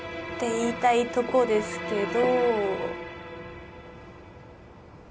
言いたいとこですけど。